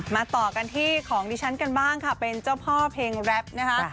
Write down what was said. ต่อกันที่ของดิฉันกันบ้างค่ะเป็นเจ้าพ่อเพลงแรปนะคะ